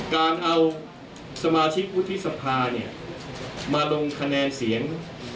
การเอาสมาชิกวุฒิสภาเนี่ยมาลงคะแนนเสียง